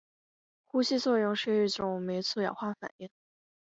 呼吸作用是一种酶促氧化反应。